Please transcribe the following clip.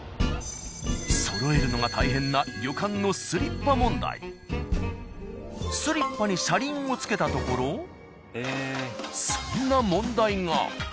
そろえるのが大変なスリッパに車輪を付けたところそんな問題が。